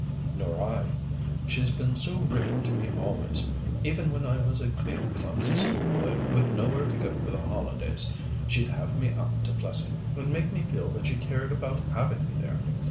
"Nor I. She's been so ripping to me always. Even when I was a big clumsy schoolboy, with nowhere to go to for the holidays, she'd have me out to Plessing, and make me feel that she cared about having me there.